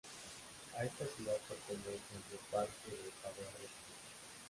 A esta ciudad pertenece el geoparque de Paleorrota.